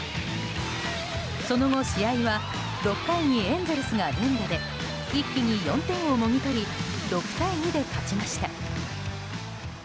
その後、試合は６回にエンゼルスが連打で一気に４点をもぎ取り６対２で勝ちました。